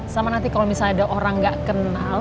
sama nanti kalau misalnya ada orang nggak kenal